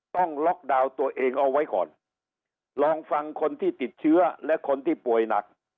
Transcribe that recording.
ต้องล็อกดาวน์ตัวเองเอาไว้ก่อนลองฟังคนที่ติดเชื้อและคนที่ป่วยหนัก